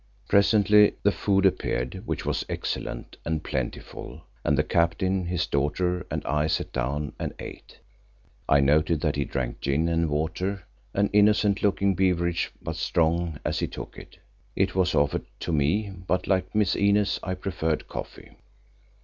Presently the food appeared, which was excellent and plentiful, and the Captain, his daughter and I sat down and ate. I noted that he drank gin and water, an innocent looking beverage but strong as he took it. It was offered to me, but like Miss Inez, I preferred coffee.